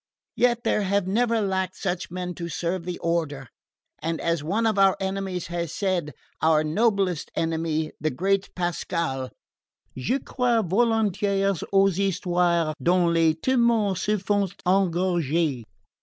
Yet there have never lacked such men to serve the Order; and as one of our enemies has said our noblest enemy, the great Pascal 'je crois volontiers aux histoires dont les temoins se font egorger.'"